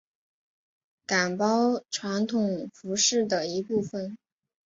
岗包传统服饰的一部分。